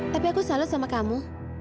tapi aku salut sama kamu